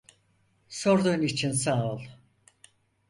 Sorduğun için sağ ol.